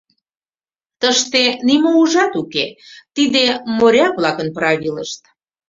Тыште нимо ужат уке — тиде моряк-влакын правилышт.